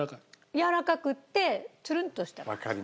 やわらかくてツルンとした感じ。